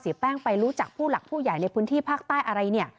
แป้งไปรู้จักผู้หลักผู้ใหญ่ในพื้นที่ภาคใต้อะไรเนี่ย